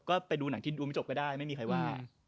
ก็ไปดูหนังที่ดูไม่จบก็ได้ไม่มีใครว่า